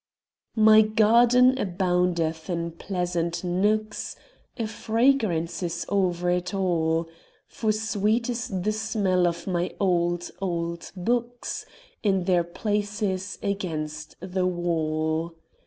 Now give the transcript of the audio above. My garden aboundeth in pleasant nooks And fragrance is over it all; For sweet is the smell of my old, old books In their places against the wall.